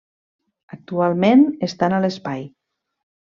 Actualment estan a l'espai.